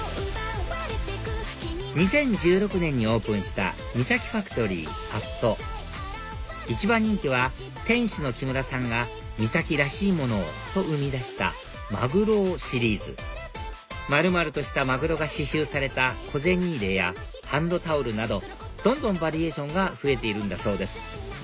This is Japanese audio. ２０１６年にオープンしたＭＩＳＡＫＩ．ＦＡＣＴＯＲＹ＠一番人気は店主の木村さんが三崎らしいものをと生み出したまぐろうシリーズ丸々としたマグロが刺しゅうされた小銭入れやハンドタオルなどどんどんバリエーションが増えているんだそうです